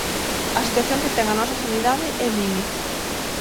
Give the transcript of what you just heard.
A situación que ten a nosa sanidade é límite.